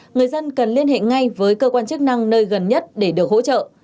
người dân cần liên hệ ngay với cơ quan chức năng nơi gần nhất để được hỗ trợ